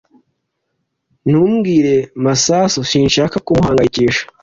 Ntubwire Masasu Sinshaka kumuhangayikisha